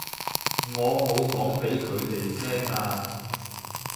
我冇講畀佢哋聽啊